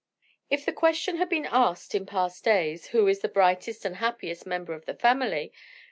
If the question had been asked in past days: Who is the brightest and happiest member of the family?